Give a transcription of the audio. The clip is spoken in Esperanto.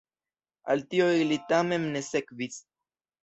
Al tio ili tamen ne sekvis.